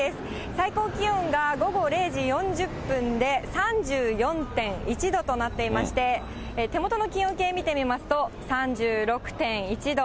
最高気温が午後０時４０分で３４．１度となっていまして、手元の気温計見てみますと、３６．１度。